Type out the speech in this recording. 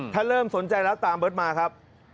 ถ้าเริ่มสนใจแล้วตามเบิร์ตมาครับ